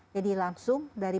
jadi langsung dari